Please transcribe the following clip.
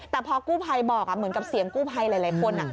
แต่พอกู้ภัยบอกเหมือนกับเสียงกู้ภัยหลายคน